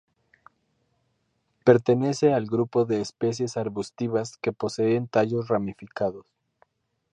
Pertenece al grupo de especies arbustivas que poseen tallos ramificados.